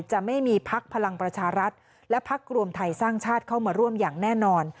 จะไม่มีพักพลังประชารัฐและพักรวมไทยสร้างชาติเข้ามาร่วมอย่างแน่นอน